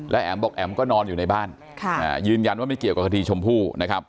แอ๋มบอกแอ๋มก็นอนอยู่ในบ้านยืนยันว่าไม่เกี่ยวกับคดีชมพู่นะครับ